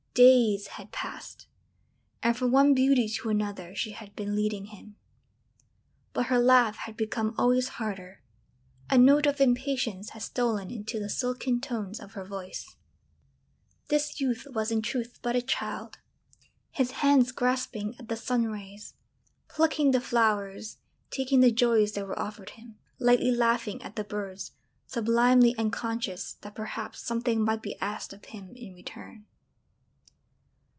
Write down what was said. Days had passed, and from one beauty to another she had been leading him. But her laugh had become always harder, a note of impatience had stolen into the silken tones of her voice. [Illustration: Eric lay now, stretched at the feet of the woman he could not leave.] This youth was in truth but a child, his hands grasping at the sun rays, plucking the flowers, taking the joys that were offered him, lightly laughing at the birds, sublimely unconscious that perhaps something might be asked of him in return.